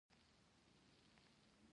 سختۍ د قدر وړ دي.